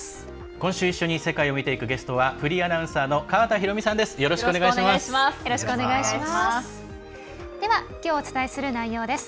今週一緒に世界を見ていくゲストはフリーアナウンサーの川田裕美さんです。